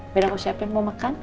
biar aku siapin mau makan